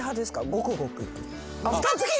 ごくごく？